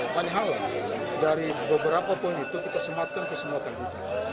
hal hal dari beberapa pun itu kita sematkan kesemua kandungan